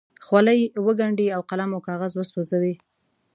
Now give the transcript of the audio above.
خولې وګنډي او قلم او کاغذ وسوځوي.